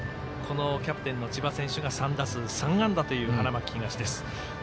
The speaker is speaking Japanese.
キャプテンの千葉選手が３打席３安打という花巻東です。